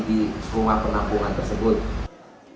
di rumah penampungan tersebut